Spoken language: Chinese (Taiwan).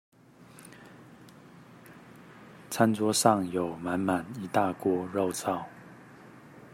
餐桌上有滿滿一大鍋肉燥